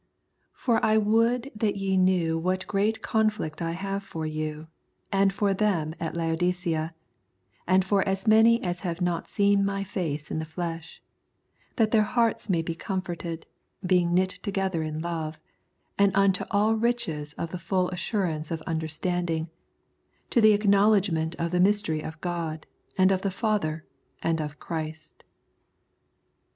" For I would that ye knew what great conflict I have for you, and for them at Laodicea, and for as many as have not seen my face in the flesh ; that their hearts may be comforted, being knit together in love, and unto all riches of the full assurance of understanding, to the acknowledgment of the mystery of God, and of the Father, and of Christ."